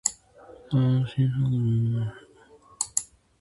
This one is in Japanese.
スタバの新作飲みました？